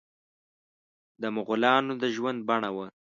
د مغولانو د ژوند بڼه وه.